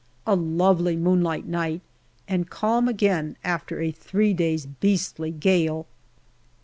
A lovely moonlight night, and calm again after a three days' beastly gale.